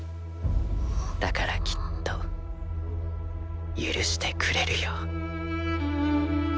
だからきっと許してくれるよ。